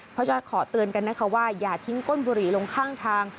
เพราะฉะนั้นขอเตือนกันนะคะว่าอย่าทิ้งก้นบุหรี่ลงข้างทาง